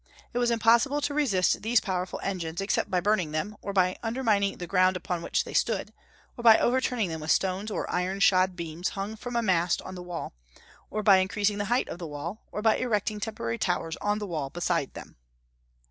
It was impossible to resist these powerful engines except by burning them, or by undermining the ground upon which they stood, or by overturning them with stones or iron shod beams hung from a mast on the wall, or by increasing the height of the wall, or by erecting temporary towers on the wall beside them.